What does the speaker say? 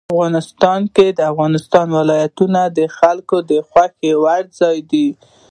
افغانستان کې د افغانستان ولايتونه د خلکو د خوښې وړ ځای دی.